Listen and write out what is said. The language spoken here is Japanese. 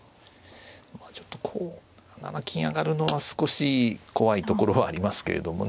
ちょっとこう７七金上がるのは少し怖いところはありますけれどもね。